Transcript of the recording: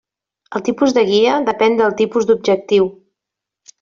El tipus de guia depèn del tipus d'objectiu.